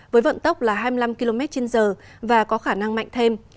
với vận tốc là hai mươi năm km trên giờ và có khả năng mạnh thêm